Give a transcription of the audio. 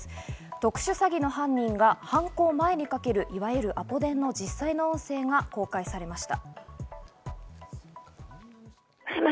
特殊詐欺の犯人が犯行前にかける、いわゆるアポ電の実際の音声が公開されました。